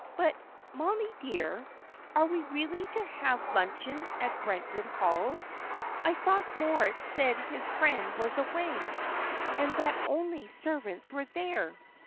But, Mollie dear, are we really to have luncheon at Brentwood Hall? I thought Moritz said his friend was away, and that only servants were there?"